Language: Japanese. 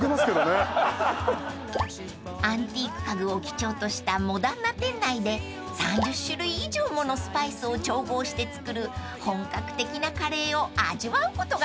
［アンティーク家具を基調としたモダンな店内で３０種類以上ものスパイスを調合して作る本格的なカレーを味わうことができます］